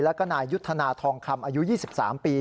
แล้วก็นายยุทธนาทองคำอายุ๒๓ปี